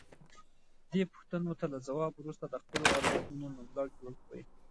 دې پوښتنو ته له ځواب وروسته د خپلو ارزښتونو نوملړ جوړ کړئ.